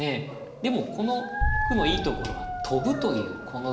でもこの句のいいところは「跳ぶ」というこの動詞ですね。